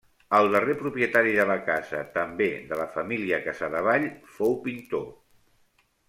El darrer propietari de la casa, també de la família Casadevall, fou pintor.